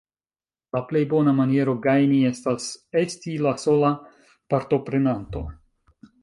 La plej bona maniero gajni estas esti la sola partoprenanto.